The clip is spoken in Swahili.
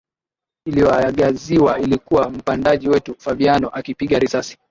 Iliyoangaziwa ilikuwa mpandaji wetu Fabiano akipiga risasi